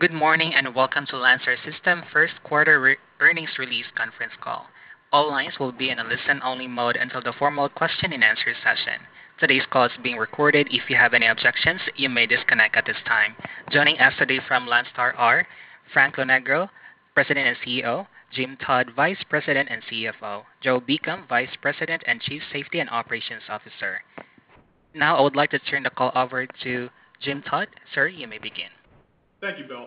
Good morning, and welcome to Landstar System First Quarter Earnings Release Conference Call. All lines will be in a listen-only mode until the formal question-and-answer session. Today's call is being recorded. If you have any objections, you may disconnect at this time. Joining us today from Landstar are Frank Lonegro, President and CEO; Jim Todd, Vice President and CFO; Joe Beacom, Vice President and Chief Safety and Operations Officer. Now, I would like to turn the call over to Jim Todd. Sir, you may begin. Thank you, Belle.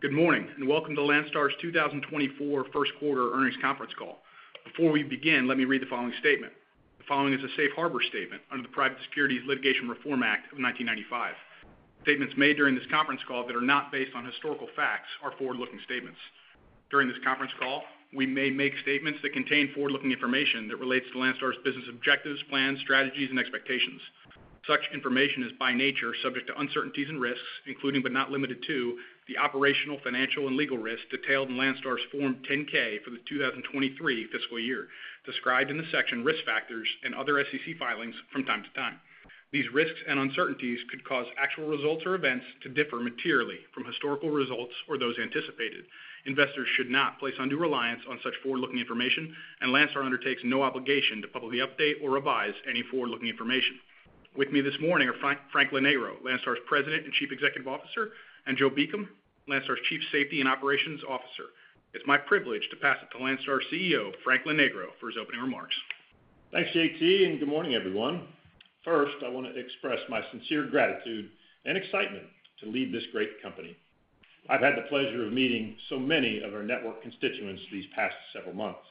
Good morning, and welcome to Landstar's 2024 First Quarter Earnings Conference Call. Before we begin, let me read the following statement. The following is a safe harbor statement under the Private Securities Litigation Reform Act of 1995. Statements made during this conference call that are not based on historical facts are forward-looking statements. During this conference call, we may make statements that contain forward-looking information that relates to Landstar's business objectives, plans, strategies, and expectations. Such information is, by nature, subject to uncertainties and risks, including but not limited to, the operational, financial, and legal risks detailed in Landstar's Form 10-K for the 2023 fiscal year, described in the section Risk Factors and other SEC filings from time to time. These risks and uncertainties could cause actual results or events to differ materially from historical results or those anticipated. Investors should not place undue reliance on such forward-looking information, and Landstar undertakes no obligation to publicly update or revise any forward-looking information. With me this morning are Frank Lonegro, Landstar's President and Chief Executive Officer, and Joe Beacom, Landstar's Chief Safety and Operations Officer. It's my privilege to pass it to Landstar's CEO, Frank Lonegro, for his opening remarks. Thanks, JT, and good morning, everyone. First, I want to express my sincere gratitude and excitement to lead this great company. I've had the pleasure of meeting so many of our network constituents these past several months.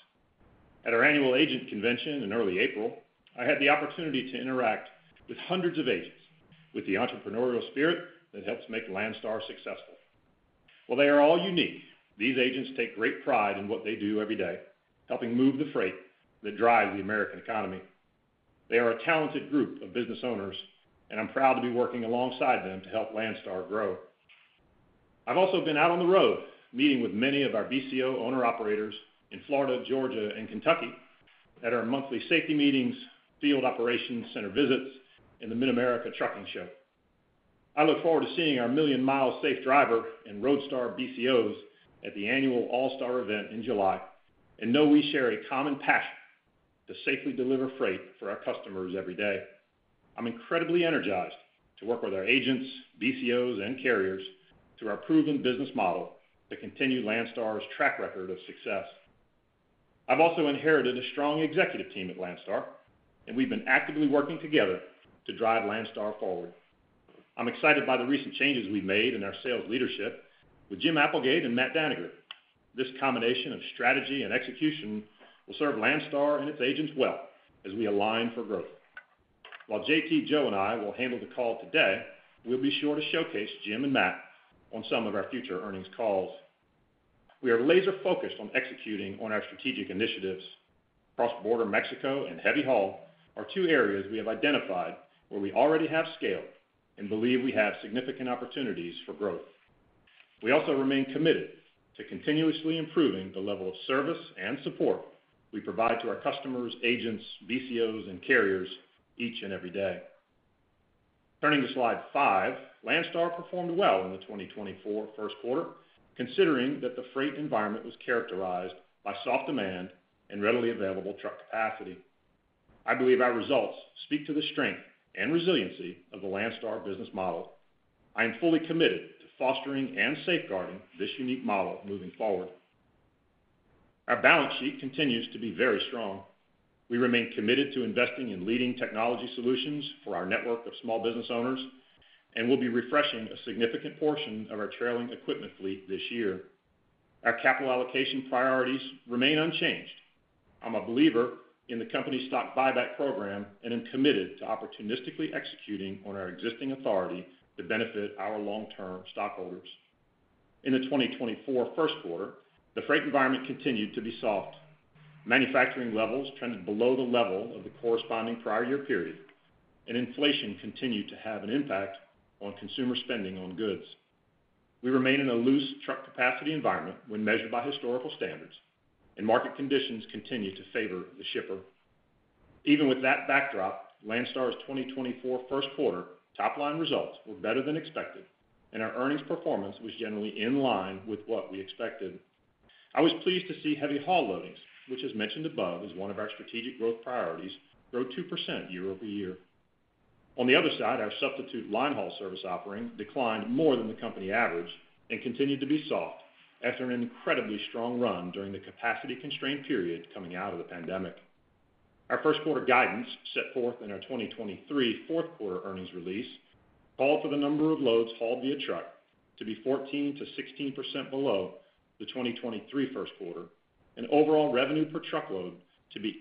At our annual agent convention in early April, I had the opportunity to interact with hundreds of agents with the entrepreneurial spirit that helps make Landstar successful. While they are all unique, these agents take great pride in what they do every day, helping move the freight that drives the American economy. They are a talented group of business owners, and I'm proud to be working alongside them to help Landstar grow. I've also been out on the road, meeting with many of our BCO owner-operators in Florida, Georgia, and Kentucky at our monthly safety meetings, field operations center visits, and the Mid-America Trucking Show. I look forward to seeing our Million Mile Safe Driver and Roadstar BCOs at the annual All-Star event in July, and know we share a common passion to safely deliver freight for our customers every day. I'm incredibly energized to work with our agents, BCOs, and carriers through our proven business model to continue Landstar's track record of success. I've also inherited a strong executive team at Landstar, and we've been actively working together to drive Landstar forward. I'm excited by the recent changes we've made in our sales leadership with Jim Applegate and Matt Dannegger. This combination of strategy and execution will serve Landstar and its agents well as we align for growth. While JT, Joe, and I will handle the call today, we'll be sure to showcase Jim and Matt on some of our future earnings calls. We are laser-focused on executing on our strategic initiatives. Cross-border Mexico and heavy haul are two areas we have identified where we already have scale and believe we have significant opportunities for growth. We also remain committed to continuously improving the level of service and support we provide to our customers, agents, BCOs, and carriers each and every day. Turning to Slide five, Landstar performed well in the 2024 first quarter, considering that the freight environment was characterized by soft demand and readily available truck capacity. I believe our results speak to the strength and resiliency of the Landstar business model. I am fully committed to fostering and safeguarding this unique model moving forward. Our balance sheet continues to be very strong. We remain committed to investing in leading technology solutions for our network of small business owners, and we'll be refreshing a significant portion of our trailing equipment fleet this year. Our capital allocation priorities remain unchanged. I'm a believer in the company's stock buyback program and am committed to opportunistically executing on our existing authority to benefit our long-term stockholders. In the 2024 first quarter, the freight environment continued to be soft. Manufacturing levels trended below the level of the corresponding prior year period, and inflation continued to have an impact on consumer spending on goods. We remain in a loose truck capacity environment when measured by historical standards, and market conditions continue to favor the shipper. Even with that backdrop, Landstar's 2024 first quarter top-line results were better than expected, and our earnings performance was generally in line with what we expected. I was pleased to see heavy haul loadings, which, as mentioned above, is one of our strategic growth priorities, grow 2% year-over-year. On the other side, our substitute linehaul service offering declined more than the company average and continued to be soft after an incredibly strong run during the capacity constraint period coming out of the pandemic. Our first quarter guidance, set forth in our 2023 fourth quarter earnings release, called for the number of loads hauled via truck to be 14%-16% below the 2023 first quarter and overall revenue per truckload to be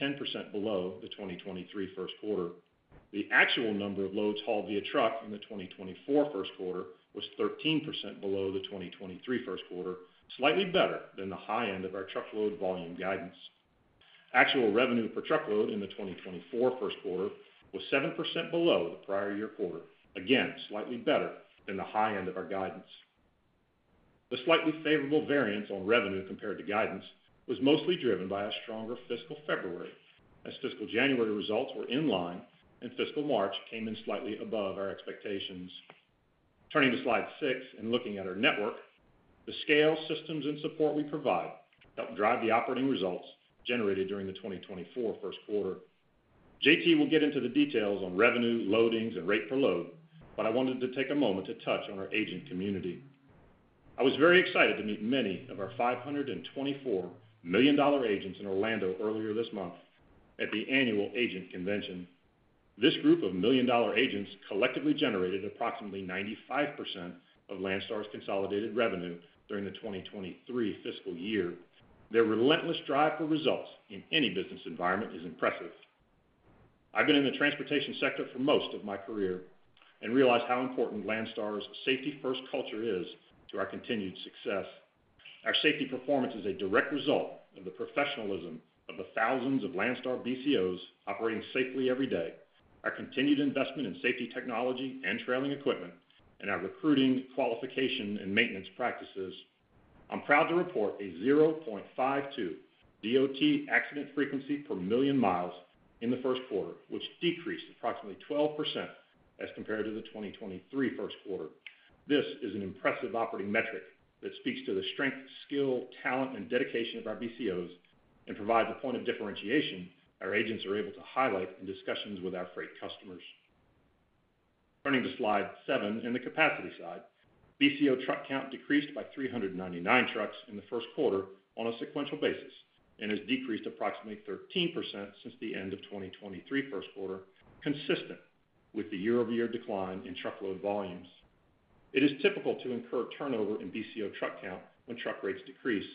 8%-10% below the 2023 first quarter. The actual number of loads hauled via truck in the 2024 first quarter was 13% below the 2023 first quarter, slightly better than the high end of our truckload volume guidance. Actual revenue per truckload in the 2024 first quarter was 7% below the prior year quarter. Again, slightly better than the high end of our guidance.... The slightly favorable variance on revenue compared to guidance was mostly driven by a stronger fiscal February, as fiscal January results were in line and fiscal March came in slightly above our expectations. Turning to Slide six and looking at our network, the scale, systems, and support we provide helped drive the operating results generated during the 2024 first quarter. JT will get into the details on revenue, loadings, and rate per load, but I wanted to take a moment to touch on our agent community. I was very excited to meet many of our 524 million-dollar agents in Orlando earlier this month at the annual agent convention. This group of million-dollar agents collectively generated approximately 95% of Landstar's consolidated revenue during the 2023 fiscal year. Their relentless drive for results in any business environment is impressive. I've been in the transportation sector for most of my career and realize how important Landstar's safety-first culture is to our continued success. Our safety performance is a direct result of the professionalism of the thousands of Landstar BCOs operating safely every day, our continued investment in safety technology and trailer equipment, and our recruiting, qualification, and maintenance practices. I'm proud to report a 0.52 DOT Accident Frequency per million miles in the first quarter, which decreased approximately 12% as compared to the 2023 first quarter. This is an impressive operating metric that speaks to the strength, skill, talent, and dedication of our BCOs and provides a point of differentiation our agents are able to highlight in discussions with our freight customers. Turning to Slide seven, in the capacity side, BCO truck count decreased by 399 trucks in the first quarter on a sequential basis and has decreased approximately 13% since the end of 2023 first quarter, consistent with the year-over-year decline in truckload volumes. It is typical to incur turnover in BCO truck count when truck rates decrease.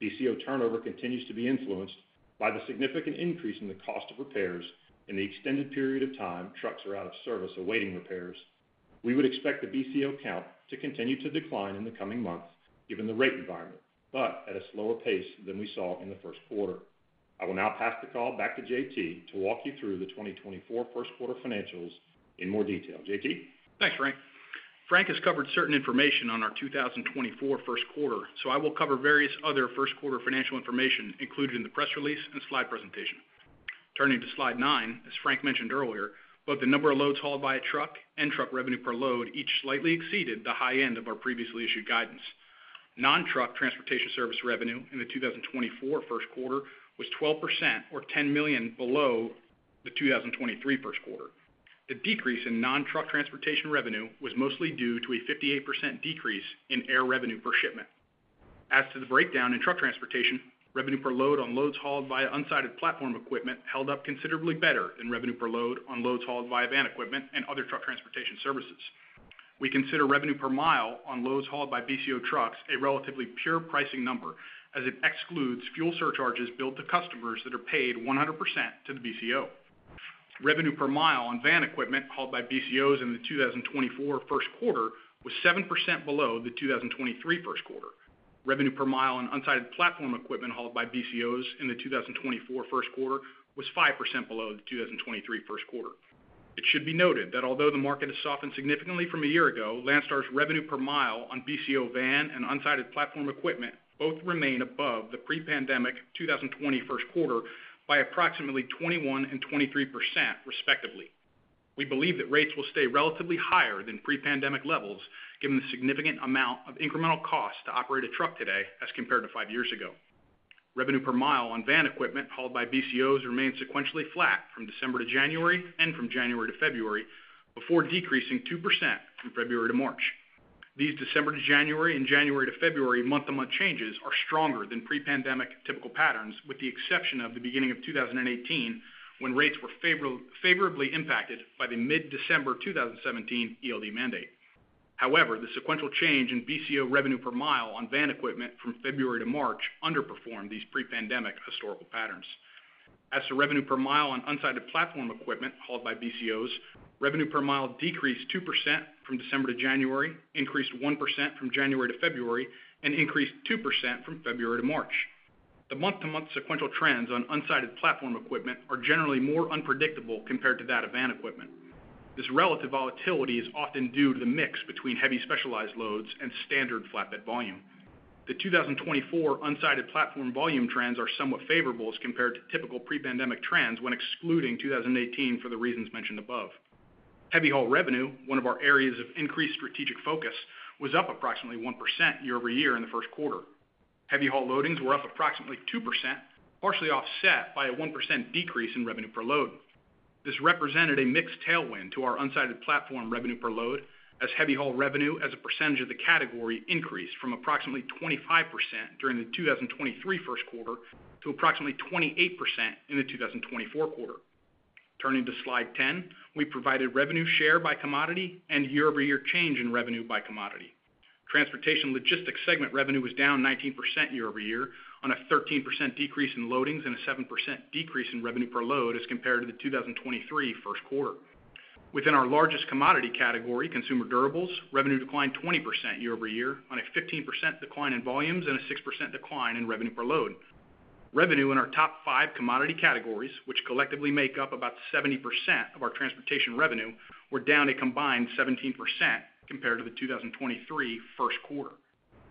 BCO turnover continues to be influenced by the significant increase in the cost of repairs and the extended period of time trucks are out of service awaiting repairs. We would expect the BCO count to continue to decline in the coming months, given the rate environment, but at a slower pace than we saw in the first quarter. I will now pass the call back to JT to walk you through the 2024 first quarter financials in more detail. JT? Thanks, Frank. Frank has covered certain information on our 2024 first quarter, so I will cover various other first quarter financial information included in the press release and slide presentation. Turning to Slide nine, as Frank mentioned earlier, both the number of loads hauled by a truck and truck revenue per load each slightly exceeded the high end of our previously issued guidance. Non-truck transportation service revenue in the 2024 first quarter was 12% or $10 million below the 2023 first quarter. The decrease in non-truck transportation revenue was mostly due to a 58% decrease in air revenue per shipment. As to the breakdown in truck transportation, revenue per load on loads hauled via unsided platform equipment held up considerably better than revenue per load on loads hauled via van equipment and other truck transportation services. We consider revenue per mile on loads hauled by BCO trucks a relatively pure pricing number, as it excludes fuel surcharges billed to customers that are paid 100% to the BCO. Revenue per mile on van equipment hauled by BCOs in the 2024 first quarter was 7% below the 2023 first quarter. Revenue per mile on unsided platform equipment hauled by BCOs in the 2024 first quarter was 5% below the 2023 first quarter. It should be noted that although the market has softened significantly from a year ago, Landstar's revenue per mile on BCO van and unsided platform equipment both remain above the pre-pandemic 2020 first quarter by approximately 21% and 23%, respectively. We believe that rates will stay relatively higher than pre-pandemic levels, given the significant amount of incremental cost to operate a truck today as compared to five years ago. Revenue per mile on van equipment hauled by BCOs remained sequentially flat from December to January and from January to February, before decreasing 2% from February to March. These December to January and January to February month-to-month changes are stronger than pre-pandemic typical patterns, with the exception of the beginning of 2018, when rates were favorably impacted by the mid-December 2017 ELD mandate. However, the sequential change in BCO revenue per mile on van equipment from February to March underperformed these pre-pandemic historical patterns. As to revenue per mile on unsided platform equipment hauled by BCOs, revenue per mile decreased 2% from December to January, increased 1% from January to February, and increased 2% from February to March. The month-to-month sequential trends on unsided platform equipment are generally more unpredictable compared to that of van equipment. This relative volatility is often due to the mix between heavy specialized loads and standard flatbed volume. The 2024 unsided platform volume trends are somewhat favorable as compared to typical pre-pandemic trends when excluding 2018 for the reasons mentioned above. Heavy Haul revenue, one of our areas of increased strategic focus, was up approximately 1% year-over-year in the first quarter. Heavy Haul loadings were up approximately 2%, partially offset by a 1% decrease in revenue per load. This represented a mixed tailwind to our unsided platform revenue per load, as heavy haul revenue as a percentage of the category increased from approximately 25% during the 2023 first quarter to approximately 28% in the 2024 quarter. Turning to Slide 10, we provided revenue share by commodity and year-over-year change in revenue by commodity. Transportation logistics segment revenue was down 19% year-over-year, on a 13% decrease in loadings and a 7% decrease in revenue per load as compared to the 2023 first quarter. Within our largest commodity category, consumer durables, revenue declined 20% year-over-year on a 15% decline in volumes and a 6% decline in revenue per load.... Revenue in our top five commodity categories, which collectively make up about 70% of our transportation revenue, were down a combined 17% compared to the 2023 first quarter.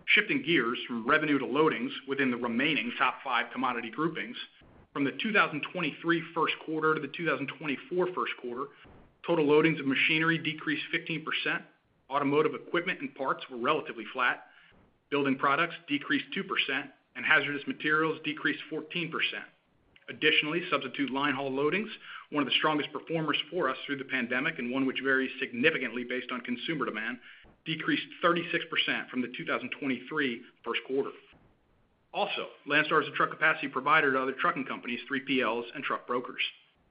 Shifting gears from revenue to loadings within the remaining top five commodity groupings, from the 2023 first quarter to the 2024 first quarter, total loadings of machinery decreased 15%, automotive equipment and parts were relatively flat, building products decreased 2%, and hazardous materials decreased 14%. Additionally, Substitute Linehaul loadings, one of the strongest performers for us through the pandemic and one which varies significantly based on consumer demand, decreased 36% from the 2023 first quarter. Also, Landstar is a truck capacity provider to other trucking companies, 3PLs and truck brokers.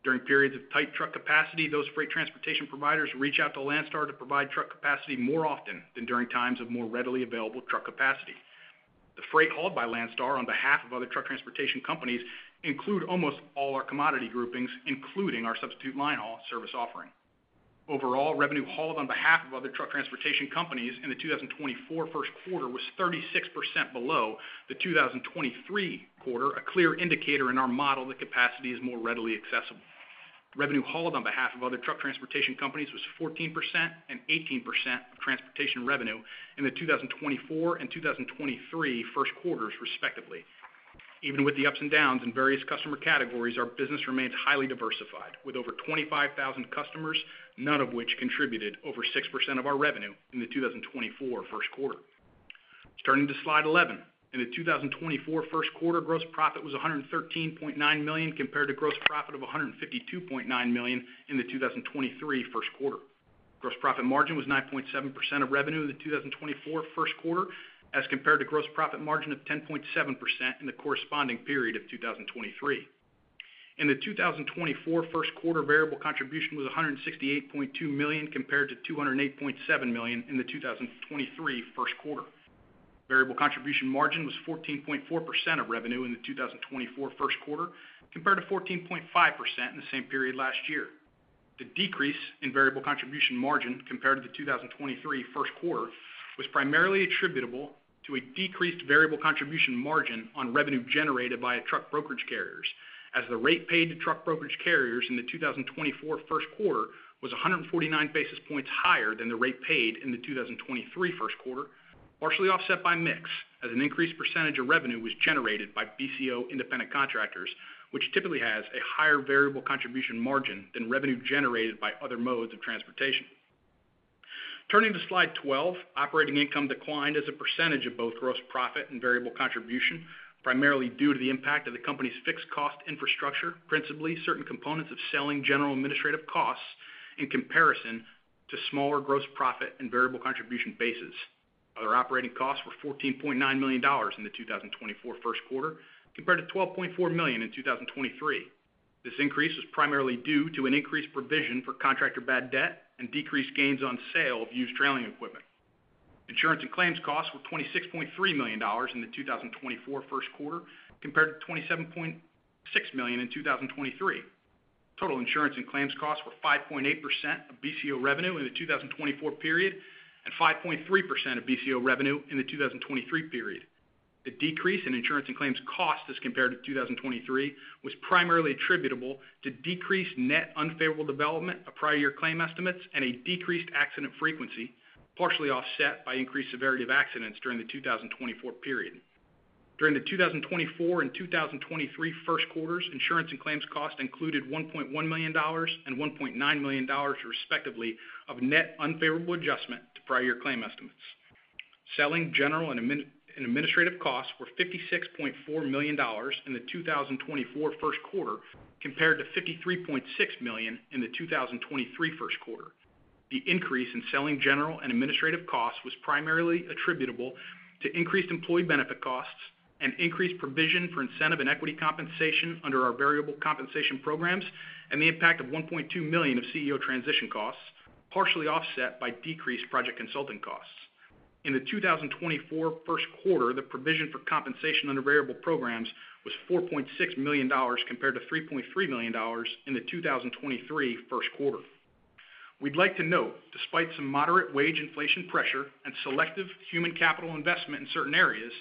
During periods of tight truck capacity, those freight transportation providers reach out to Landstar to provide truck capacity more often than during times of more readily available truck capacity. The freight hauled by Landstar on behalf of other truck transportation companies include almost all our commodity groupings, including our Substitute Linehaul service offering. Overall, revenue hauled on behalf of other truck transportation companies in the 2024 first quarter was 36% below the 2023 quarter, a clear indicator in our model that capacity is more readily accessible. Revenue hauled on behalf of other truck transportation companies was 14% and 18% of transportation revenue in the 2024 and 2023 first quarters, respectively. Even with the ups and downs in various customer categories, our business remains highly diversified, with over 25,000 customers, none of which contributed over 6% of our revenue in the 2024 first quarter. Turning to Slide 11. In the 2024 first quarter, gross profit was $113.9 million, compared to gross profit of $152.9 million in the 2023 first quarter. Gross profit margin was 9.7% of revenue in the 2024 first quarter, as compared to gross profit margin of 10.7% in the corresponding period of 2023. In the 2024 first quarter, variable contribution was $168.2 million, compared to $208.7 million in the 2023 first quarter. Variable contribution margin was 14.4% of revenue in the 2024 first quarter, compared to 14.5% in the same period last year. The decrease in variable contribution margin compared to the 2023 first quarter was primarily attributable to a decreased variable contribution margin on revenue generated by truck brokerage carriers, as the rate paid to truck brokerage carriers in the 2024 first quarter was 149 basis points higher than the rate paid in the 2023 first quarter, partially offset by mix, as an increased percentage of revenue was generated by BCO independent contractors, which typically has a higher variable contribution margin than revenue generated by other modes of transportation. Turning to Slide 12. Operating income declined as a percentage of both gross profit and variable contribution margin, primarily due to the impact of the company's fixed cost infrastructure, principally certain components of selling, general and administrative costs, in comparison to smaller gross profit and variable contribution margin bases. Other operating costs were $14.9 million in the 2024 first quarter, compared to $12.4 million in 2023. This increase was primarily due to an increased provision for contractor bad debt and decreased gains on sale of used trailing equipment. Insurance and claims costs were $26.3 million in the 2024 first quarter, compared to $27.6 million in 2023. Total insurance and claims costs were 5.8% of BCO revenue in the 2024 period, and 5.3% of BCO revenue in the 2023 period. The decrease in insurance and claims costs as compared to 2023, was primarily attributable to decreased net unfavorable development of prior year claim estimates and a decreased accident frequency, partially offset by increased severity of accidents during the 2024 period. During the 2024 and 2023 first quarters, insurance and claims costs included $1.1 million and $1.9 million, respectively, of net unfavorable adjustment to prior year claim estimates. Selling, general, and administrative costs were $56.4 million in the 2024 first quarter, compared to $53.6 million in the 2023 first quarter. The increase in selling, general and administrative costs was primarily attributable to increased employee benefit costs and increased provision for incentive and equity compensation under our variable compensation programs, and the impact of $1.2 million of CEO transition costs, partially offset by decreased project consulting costs. In the 2024 first quarter, the provision for compensation under variable programs was $4.6 million, compared to $3.3 million in the 2023 first quarter. We'd like to note, despite some moderate wage inflation pressure and selective human capital investment in certain areas,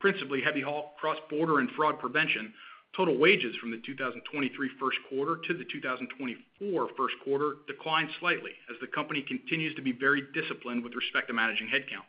principally heavy haul, cross-border, and fraud prevention, total wages from the 2023 first quarter to the 2024 first quarter declined slightly, as the company continues to be very disciplined with respect to managing headcount.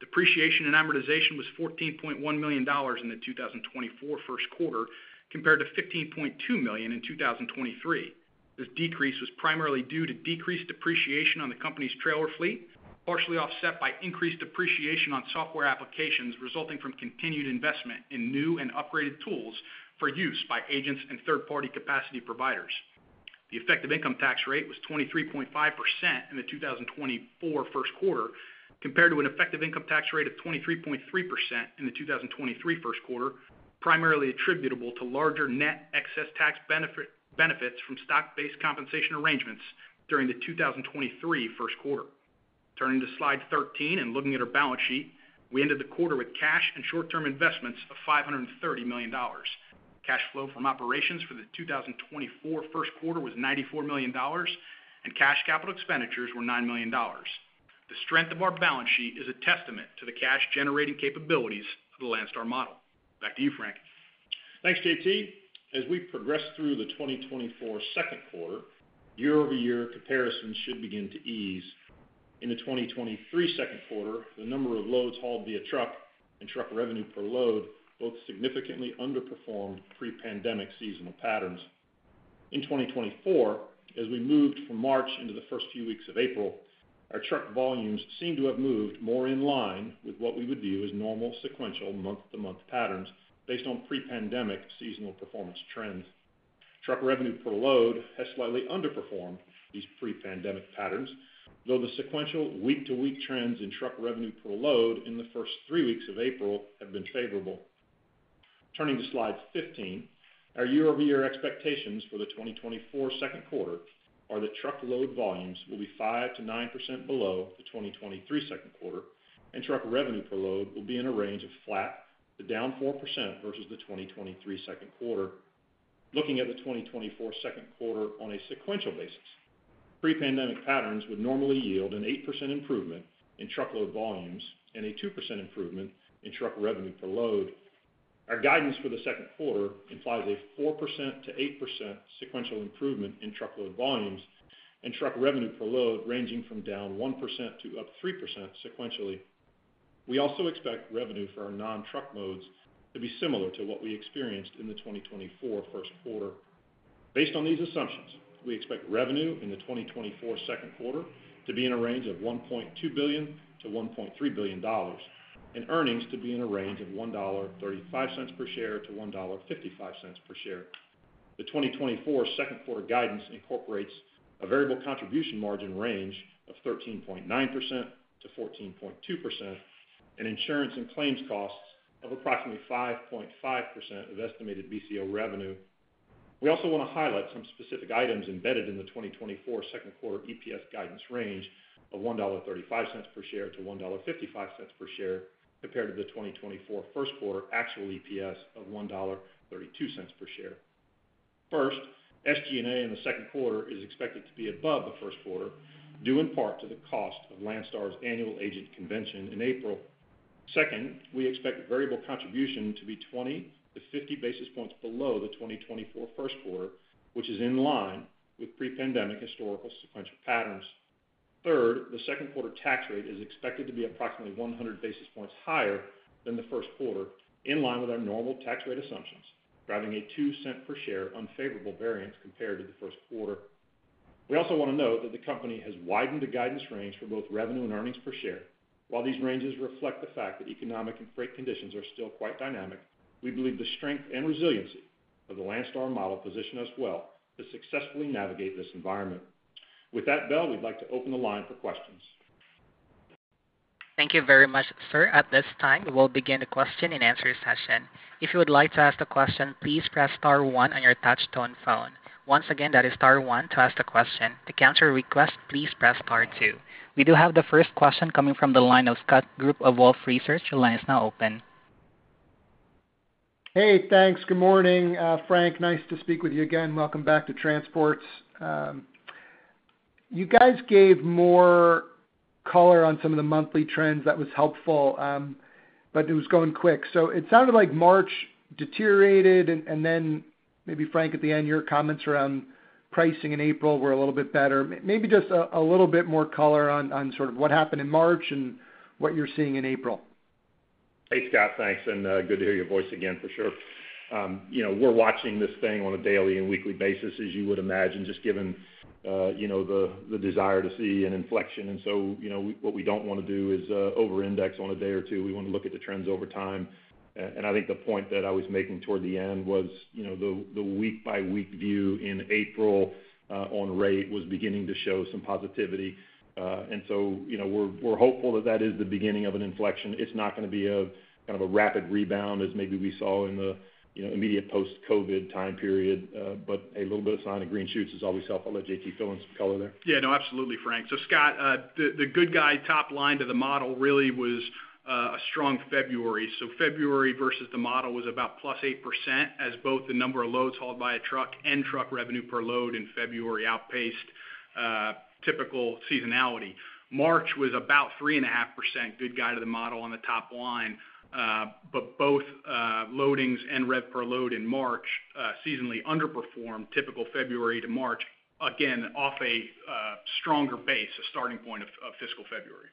Depreciation and amortization was $14.1 million in the 2024 first quarter, compared to $15.2 million in 2023. This decrease was primarily due to decreased depreciation on the company's trailer fleet, partially offset by increased depreciation on software applications, resulting from continued investment in new and upgraded tools for use by agents and third-party capacity providers. The effective income tax rate was 23.5% in the 2024 first quarter, compared to an effective income tax rate of 23.3% in the 2023 first quarter, primarily attributable to larger net excess tax benefits from stock-based compensation arrangements during the 2023 first quarter. Turning to Slide 13 and looking at our balance sheet. We ended the quarter with cash and short-term investments of $530 million. Cash flow from operations for the 2024 first quarter was $94 million, and cash capital expenditures were $9 million.... The strength of our balance sheet is a testament to the cash-generating capabilities of the Landstar model. Back to you, Frank. Thanks, JT. As we progress through the 2024 second quarter, year-over-year comparisons should begin to ease. In the 2023 second quarter, the number of loads hauled via truck and truck revenue per load both significantly underperformed pre-pandemic seasonal patterns. In 2024, as we moved from March into the first few weeks of April, our truck volumes seem to have moved more in line with what we would view as normal sequential month-to-month patterns based on pre-pandemic seasonal performance trends. Truck revenue per load has slightly underperformed these pre-pandemic patterns, though the sequential week-to-week trends in truck revenue per load in the first three weeks of April have been favorable. Turning to Slide 15, our year-over-year expectations for the 2024 second quarter are that truckload volumes will be 5%-9% below the 2023 second quarter, and truck revenue per load will be in a range of flat to down 4% versus the 2023 second quarter. Looking at the 2024 second quarter on a sequential basis, pre-pandemic patterns would normally yield an 8% improvement in truckload volumes and a 2% improvement in truck revenue per load. Our guidance for the second quarter implies a 4%-8% sequential improvement in truckload volumes and truck revenue per load, ranging from down 1% to up 3% sequentially. We also expect revenue for our non-truck modes to be similar to what we experienced in the 2024 first quarter. Based on these assumptions, we expect revenue in the 2024 second quarter to be in a range of $1.2 billion-$1.3 billion, and earnings to be in a range of $1.35-$1.55 per share. The 2024 second quarter guidance incorporates a variable contribution margin range of 13.9%-14.2%, and insurance and claims costs of approximately 5.5% of estimated BCO revenue. We also want to highlight some specific items embedded in the 2024 second quarter EPS guidance range of $1.35-$1.55 per share, compared to the 2024 first quarter actual EPS of $1.32 per share. First, SG&A in the second quarter is expected to be above the first quarter, due in part to the cost of Landstar's annual agent convention in April. Second, we expect variable contribution to be 20-50 basis points below the 2024 first quarter, which is in line with pre-pandemic historical sequential patterns. Third, the second quarter tax rate is expected to be approximately 100 basis points higher than the first quarter, in line with our normal tax rate assumptions, driving a $0.02 per share unfavorable variance compared to the first quarter. We also want to note that the company has widened the guidance range for both revenue and earnings per share. While these ranges reflect the fact that economic and freight conditions are still quite dynamic, we believe the strength and resiliency of the Landstar model position us well to successfully navigate this environment. With that, Belle, we'd like to open the line for questions. Thank you very much, sir. At this time, we'll begin the question and answer session. If you would like to ask a question, please press star one on your touch-tone phone. Once again, that is star one to ask a question. To cancel your request, please press star two. We do have the first question coming from the line of Scott Group of Wolfe Research. Your line is now open. Hey, thanks. Good morning, Frank, nice to speak with you again. Welcome back to transports. You guys gave more color on some of the monthly trends. That was helpful, but it was going quick. So it sounded like March deteriorated, and then maybe Frank, at the end, your comments around pricing in April were a little bit better. Maybe just a little bit more color on sort of what happened in March and what you're seeing in April. Hey, Scott, thanks, and good to hear your voice again, for sure. You know, we're watching this thing on a daily and weekly basis, as you would imagine, just given, you know, the desire to see an inflection. And so, you know, we—what we don't want to do is, over-index on a day or two. We want to look at the trends over time. And I think the point that I was making toward the end was, you know, the week-by-week view in April, on rate, was beginning to show some positivity. And so, you know, we're hopeful that that is the beginning of an inflection. It's not going to be a, kind of a rapid rebound as maybe we saw in the, you know, immediate post-COVID time period, but a little bit of sign of green shoots is always helpful. I'll let JT fill in some color there. Yeah, no, absolutely, Frank. So Scott, the good guy top line to the model really was a strong February. So February versus the model was about +8%, as both the number of loads hauled by a truck and truck revenue per load in February outpaced typical seasonality. March was about 3.5%, good guy to the model on the top line, but both loadings and rev per load in March seasonally underperformed typical February to March, again, off a stronger base, a starting point of fiscal February.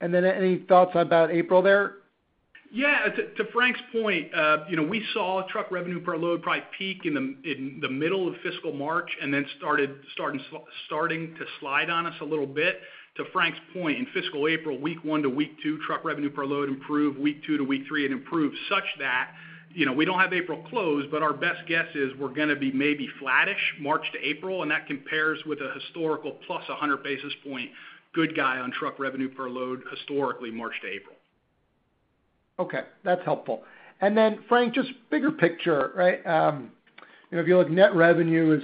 And then any thoughts about April there? Yeah. To Frank's point, you know, we saw truck revenue per load probably peak in the middle of fiscal March, and then starting to slide on us a little bit. To Frank's point, in fiscal April, week one to week two, truck revenue per load improved, week two to week three, it improved such that, you know, we don't have April closed, but our best guess is we're going to be maybe flattish March to April, and that compares with a historical plus 100 basis points good guy on truck revenue per load, historically, March to April. Okay, that's helpful. And then, Frank, just bigger picture, right? You know, if you look, net revenue is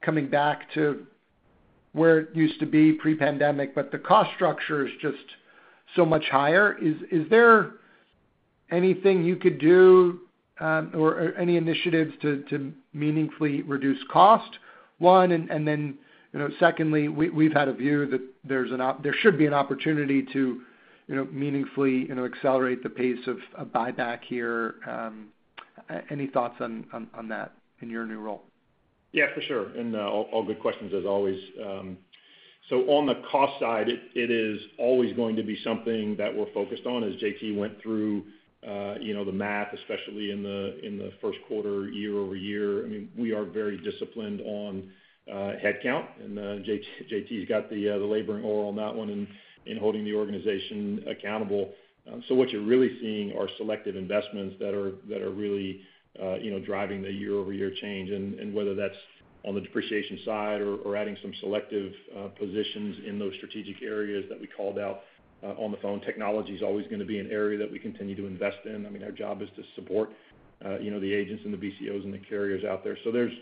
coming back to where it used to be pre-pandemic, but the cost structure is just so much higher. Is there anything you could do, or any initiatives to meaningfully reduce cost, one? And then, you know, secondly, we've had a view that there should be an opportunity to, you know, meaningfully accelerate the pace of buyback here. Any thoughts on that in your new role? Yeah, for sure. And all good questions as always. So on the cost side, it is always going to be something that we're focused on. As JT went through, you know, the math, especially in the first quarter, year-over-year, I mean, we are very disciplined on headcount, and JT's got the laboring oar on that one in holding the organization accountable. So what you're really seeing are selective investments that are really, you know, driving the year-over-year change, and whether that's on the depreciation side or adding some selective positions in those strategic areas that we called out on the phone. Technology is always going to be an area that we continue to invest in. I mean, our job is to support, you know, the agents and the BCOs and the carriers out there. So there's,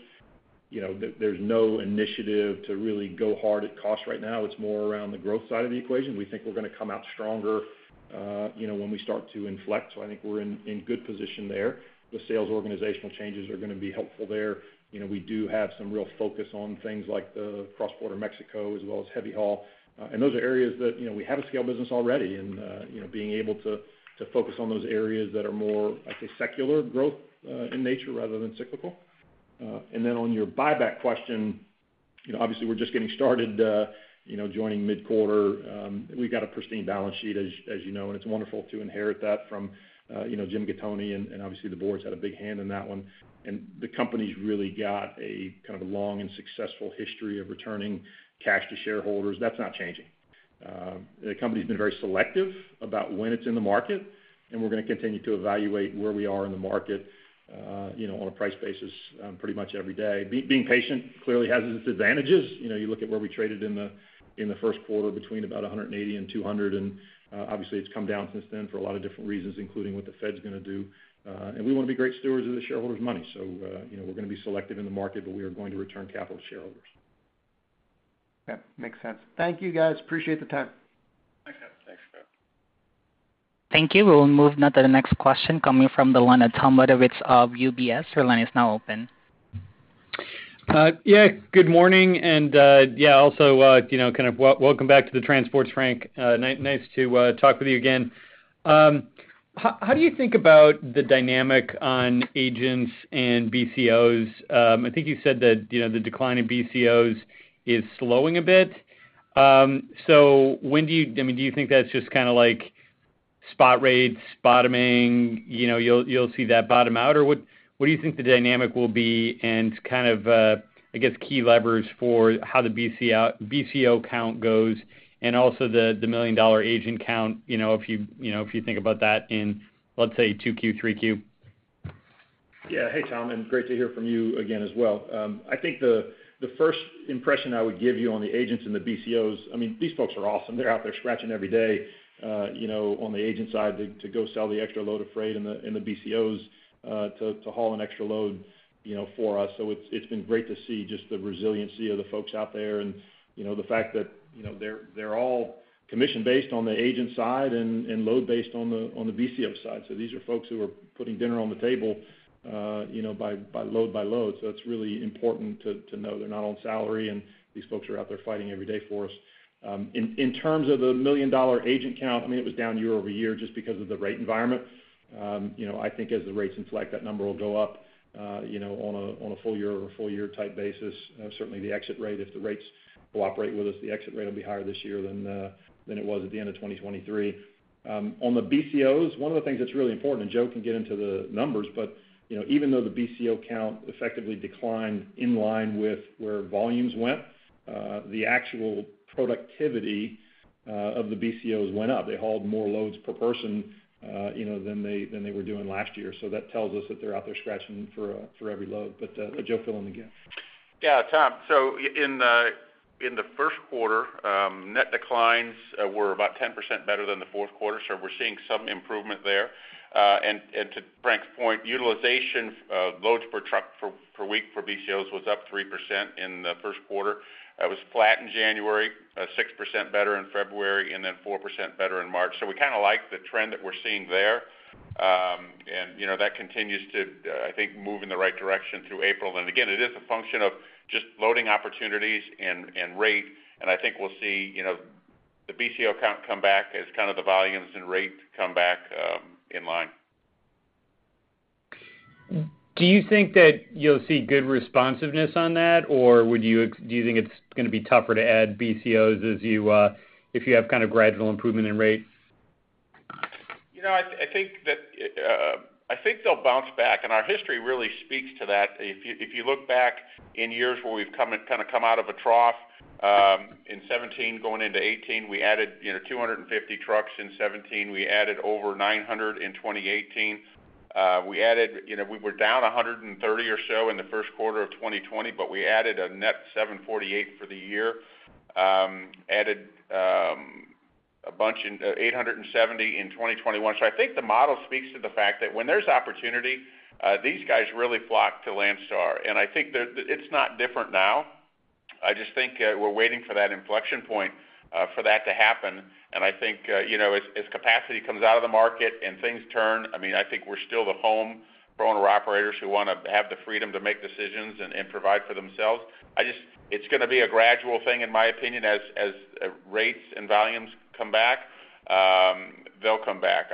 you know, there, there's no initiative to really go hard at cost right now. It's more around the growth side of the equation. We think we're going to come out stronger, you know, when we start to inflect. So I think we're in good position there. The sales organizational changes are going to be helpful there. You know, we do have some real focus on things like the cross-border Mexico, as well as heavy haul. And those are areas that, you know, we have a scale business already, and, you know, being able to focus on those areas that are more, I say, secular growth in nature rather than cyclical. And then on your buyback question, you know, obviously, we're just getting started, you know, joining mid-quarter. We've got a pristine balance sheet, as you know, and it's wonderful to inherit that from, you know, Jim Gattoni, and obviously, the board's had a big hand in that one. And the company's really got a kind of a long and successful history of returning cash to shareholders. That's not changing. The company's been very selective about when it's in the market, and we're going to continue to evaluate where we are in the market, you know, on a price basis, pretty much every day. Being patient clearly has its advantages. You know, you look at where we traded in the, in the first quarter between about 180 and 200, and, obviously, it's come down since then for a lot of different reasons, including what the Fed's going to do. And we want to be great stewards of the shareholders' money. So, you know, we're going to be selective in the market, but we are going to return capital to shareholders. Yeah, makes sense. Thank you, guys. Appreciate the time. Thanks, Jeff. Thanks, Jeff. Thank you. We'll move now to the next question coming from the line of Tom Wadewitz of UBS. Your line is now open. Yeah, good morning, and yeah, also, you know, kind of welcome back to the transports, Frank. Nice to talk with you again. How do you think about the dynamic on agents and BCOs? I think you said that, you know, the decline in BCOs is slowing a bit. So when do you... I mean, do you think that's just kind of like spot rates bottoming, you know, you'll see that bottom out? Or what do you think the dynamic will be and kind of, I guess, key levers for how the BCO count goes and also the million-dollar agent count, you know, if you think about that in, let's say, 2Q, 3Q? Yeah. Hey, Tom, and great to hear from you again as well. I think the first impression I would give you on the agents and the BCOs, I mean, these folks are awesome. They're out there scratching every day, you know, on the agent side to go sell the extra load of freight and the BCOs to haul an extra load, you know, for us. So it's been great to see just the resiliency of the folks out there. And, you know, the fact that, you know, they're all commission-based on the agent side and load-based on the BCO side. So these are folks who are putting dinner on the table, you know, by load by load. So it's really important to know they're not on salary, and these folks are out there fighting every day for us. In terms of the million-dollar agent count, I mean, it was down year-over-year just because of the rate environment. You know, I think as the rates inflect, that number will go up, you know, on a full year-over-full year type basis. Certainly, the exit rate, if the rates cooperate with us, the exit rate will be higher this year than it was at the end of 2023. On the BCOs, one of the things that's really important, and Joe can get into the numbers, but you know, even though the BCO count effectively declined in line with where volumes went, the actual productivity of the BCOs went up. They hauled more loads per person, you know, than they, than they were doing last year. So that tells us that they're out there scratching for, for every load. But, Joe, fill in the gap. Yeah, Tom. So in the first quarter, net declines were about 10% better than the fourth quarter, so we're seeing some improvement there. And to Frank's point, utilization of loads per truck per week for BCOs was up 3% in the first quarter. It was flat in January, 6% better in February, and then 4% better in March. So we kind of like the trend that we're seeing there. And, you know, that continues to, I think, move in the right direction through April. And again, it is a function of just loading opportunities and rate. And I think we'll see, you know, the BCO count come back as kind of the volumes and rate come back in line. Do you think that you'll see good responsiveness on that, or would you do you think it's going to be tougher to add BCOs as you, if you have kind of gradual improvement in rates? You know, I think that, I think they'll bounce back, and our history really speaks to that. If you look back in years where we've kind of come out of a trough in 2017 going into 2018, we added, you know, 250 trucks in 2017. We added over 900 in 2018. You know, we were down 130 or so in the first quarter of 2020, but we added a net 748 for the year. Added a bunch in 870 in 2021. So I think the model speaks to the fact that when there's opportunity, these guys really flock to Landstar, and I think they're, it's not different now.... I just think, we're waiting for that inflection point, for that to happen. And I think, you know, as capacity comes out of the market and things turn, I mean, I think we're still the homeowner-operators who wanna have the freedom to make decisions and provide for themselves. It's gonna be a gradual thing in my opinion, as rates and volumes come back, they'll come back.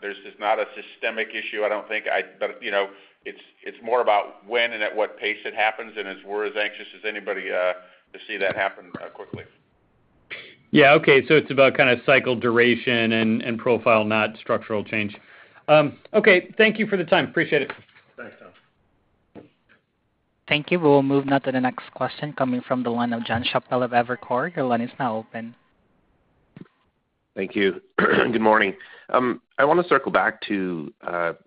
There's just not a systemic issue, I don't think. But, you know, it's more about when and at what pace it happens, and as we're as anxious as anybody to see that happen, quickly. Yeah. Okay, so it's about kinda cycle duration and profile, not structural change. Okay. Thank you for the time. Appreciate it. Thanks, Tom. Thank you. We'll move now to the next question coming from the line of John Chappell of Evercore. Your line is now open. Thank you. Good morning. I wanna circle back to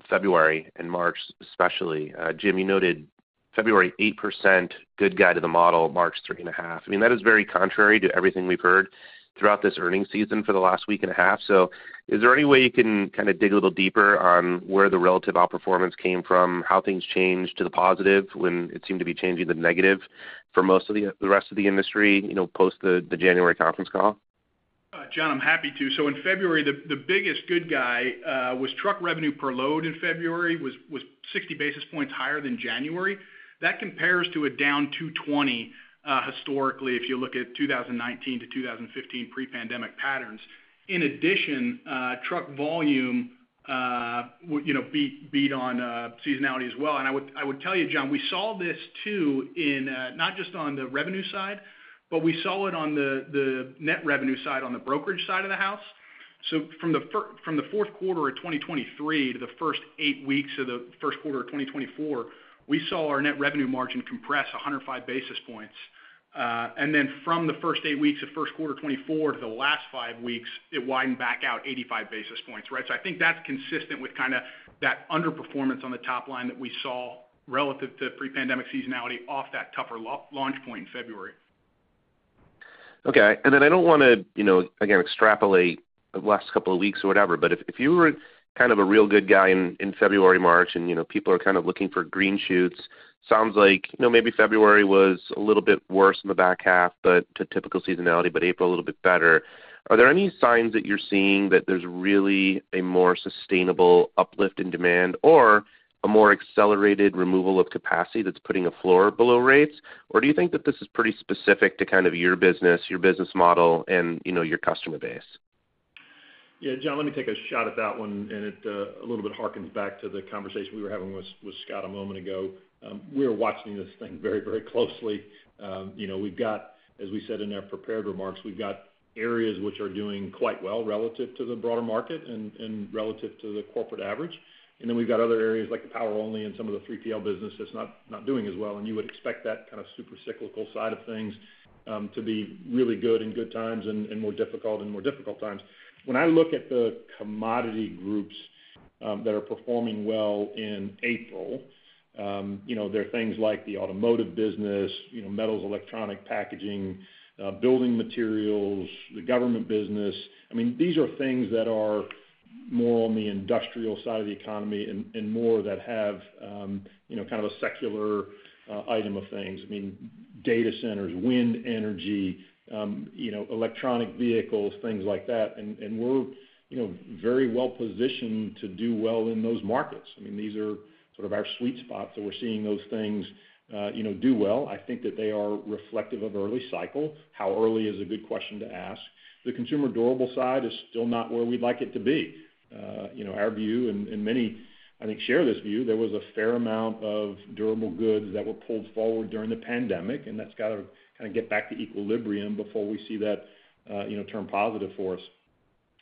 February and March, especially. Jim, you noted February, 8% good guy to the model, March, 3.5. I mean, that is very contrary to everything we've heard throughout this earnings season for the last week and a half. So is there any way you can kinda dig a little deeper on where the relative outperformance came from, how things changed to the positive when it seemed to be changing the negative for most of the rest of the industry, you know, post the January conference call? John, I'm happy to. So in February, the biggest good guy was truck revenue per load in February 60 basis points higher than January. That compares to a down 220 historically, if you look at 2019 to 2015 pre-pandemic patterns. In addition, truck volume you know beat on seasonality as well. And I would tell you, John, we saw this too in not just on the revenue side, but we saw it on the net revenue side, on the brokerage side of the house. So from the fourth quarter of 2023 to the first eight weeks of the first quarter of 2024, we saw our net revenue margin compress 105 basis points. And then from the first eight weeks of first quarter 2024 to the last five weeks, it widened back out 85 basis points, right? So I think that's consistent with kinda that underperformance on the top line that we saw relative to pre-pandemic seasonality off that tougher launch point in February. Okay. And then I don't wanna, you know, again, extrapolate the last couple of weeks or whatever, but if, if you were kind of a real good guy in, in February, March, and, you know, people are kind of looking for green shoots, sounds like, you know, maybe February was a little bit worse in the back half, but to typical seasonality, but April, a little bit better. Are there any signs that you're seeing that there's really a more sustainable uplift in demand, or a more accelerated removal of capacity that's putting a floor below rates? Or do you think that this is pretty specific to kind of your business, your business model, and, you know, your customer base? Yeah, John, let me take a shot at that one, and it a little bit harkens back to the conversation we were having with, with Scott a moment ago. We are watching this thing very, very closely. You know, we've got, as we said in our prepared remarks, we've got areas which are doing quite well relative to the broader market and, and relative to the corporate average. And then we've got other areas like the power only and some of the 3PL businesses not, not doing as well. And you would expect that kind of super cyclical side of things to be really good in good times and, and more difficult in more difficult times. When I look at the commodity groups that are performing well in April, you know, there are things like the automotive business, you know, metals, electronic packaging, building materials, the government business. I mean, these are things that are more on the industrial side of the economy and, and more that have, you know, kind of a secular item of things. I mean, data centers, wind energy, you know, electronic vehicles, things like that. And, and we're, you know, very well positioned to do well in those markets. I mean, these are sort of our sweet spots, so we're seeing those things, you know, do well. I think that they are reflective of early cycle. How early is a good question to ask. The consumer durable side is still not where we'd like it to be. You know, our view, and many, I think, share this view, there was a fair amount of durable goods that were pulled forward during the pandemic, and that's got to kind of get back to equilibrium before we see that, you know, turn positive for us.